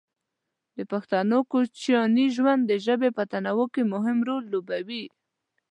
د پښتنو کوچیاني ژوند د ژبې په تنوع کې مهم رول لوبولی دی.